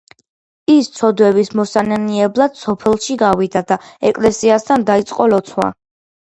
ის ცოდვების მოსანანიებლად სოფელში გავიდა და ეკლესიასთან დაიწყო ლოცვა.